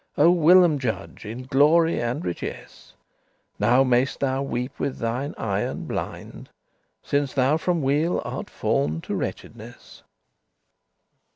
O whilom judge in glory and richess! Now may'st thou weepe with thine eyen blind, Since thou from weal art fall'n to wretchedness.